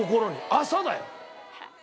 朝だよ？